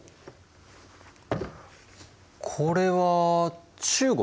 これは中国？